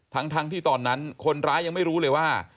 ทั้งที่ตอนนั้นคนร้ายยังไม่รู้เลยว่า